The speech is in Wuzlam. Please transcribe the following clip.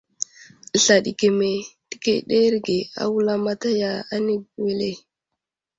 Sla ɗi keme təkeɗerge a wulamataya ane wele.